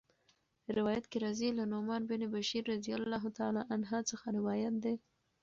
روايت کي راځي: له نعمان بن بشير رضي الله عنه څخه روايت دی